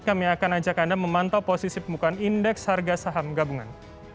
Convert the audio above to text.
kami akan ajak anda memantau posisi pembukaan indeks harga saham gabungan